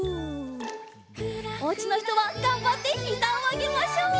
おうちのひとはがんばってひざをあげましょう！